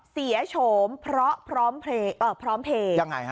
เสียโฉมเพราะพร้อมเพลย์